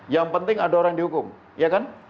yang penting ada orang dihukum ya kan